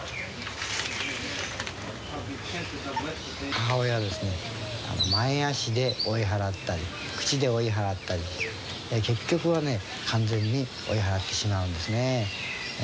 母親は前足で追い払ったり口で追い払ったり結局は完全に追い払ってしまうんですね。